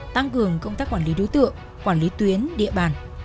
tăng cường công tác quản lý đối tượng quản lý tuyến địa bàn